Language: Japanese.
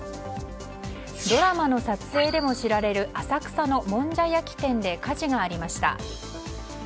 ドラマの撮影でも知られる浅草のもんじゃ焼き店で火事がありました。